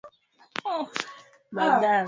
amesema Wajackoya